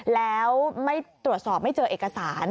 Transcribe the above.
แล้วไม่ตรวจสอบไม่เจอเอกสาร